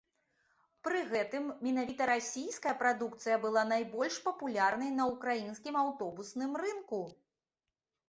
Пры гэтым менавіта расійская прадукцыя была найбольш папулярнай на ўкраінскім аўтобусным рынку.